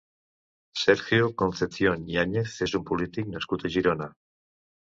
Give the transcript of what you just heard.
Sergio Concepción Yáñez és un polític nascut a Girona.